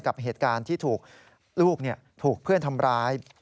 กับเหตุการณ์ที่ถูกลูกถูกเพื่อนทำร้าย